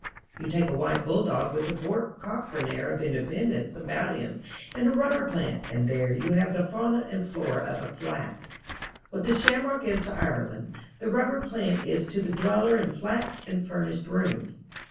You take a white bulldog with a Bourke Cockran air of independence about him and a rubber plant and there you have the fauna and flora of a flat. What the shamrock is to Ireland the rubber plant is to the dweller in flats and furnished rooms.